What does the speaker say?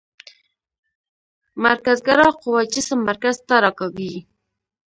مرکزګرا قوه جسم مرکز ته راکاږي.